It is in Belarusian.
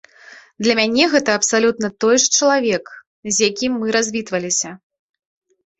Для мяне гэта абсалютна той жа чалавек, з якім мы развітваліся.